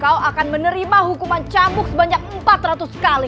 kau akan menerima hukuman cambuk sebanyak empat ratus kali